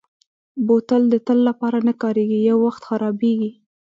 بوتل د تل لپاره نه کارېږي، یو وخت خرابېږي.